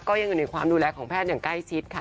ยังอยู่ในความดูแลของแพทย์อย่างใกล้ชิดค่ะ